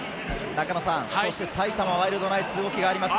埼玉ワイルドナイツ、動きがあります。